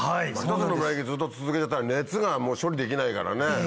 １つのブレーキずっと続けてたら熱がもう処理できないからね。